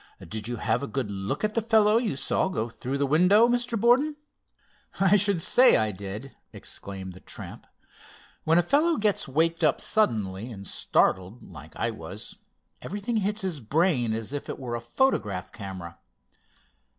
"Did you have a good look at the fellow you saw go through the window, Mr. Borden?" "I should say, I did!" exclaimed the tramp. "When a fellow gets waked up suddenly and startled, like I was, everything hits his brain as if it were a photograph camera.